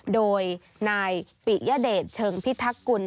โดยนายปิยเดชเชิงพิทักกุล